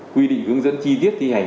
quy định hướng dẫn chi tiết thi hành